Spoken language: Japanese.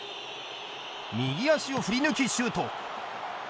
右足を振り抜きシュート。